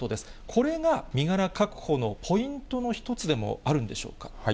これが身柄確保のポイントの一つでもあるんでしょうか。